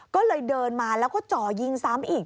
ก็เลยเดินมาแล้วก็จ่อยิงซ้ำอีก